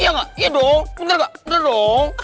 iya gak iya dong bener gak udah dong